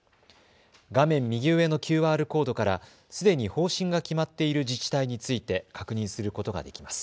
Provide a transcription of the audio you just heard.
画面右上のＱＲコードからすでに方針が決まっている自治体について確認することができます。